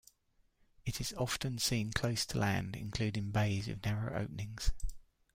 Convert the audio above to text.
It is often seen close to land, including bays with narrow openings.